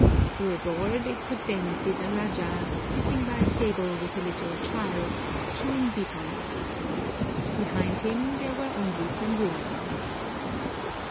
Through a door they could then see the rajah, sitting by a table with a little child, chewing betel nut. Behind him there were only some women.